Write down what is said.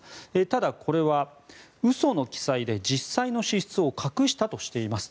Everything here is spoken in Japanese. ただ、これは嘘の記載で実際の支出を隠したとしています。